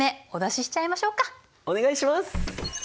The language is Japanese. お願いします。